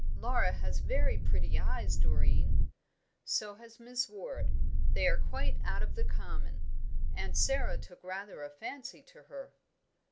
"Laura has very pretty eyes, Doreen." "So has Miss Ward; they are quite out of the common. Aunt Sara took rather a fancy to her."